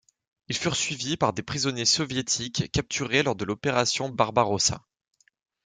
Ils furent suivis par des prisonniers soviétiques capturés lors de l'Opération Barbarossa.